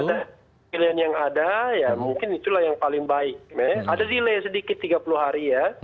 ada pilihan yang ada ya mungkin itulah yang paling baik ada delay sedikit tiga puluh hari ya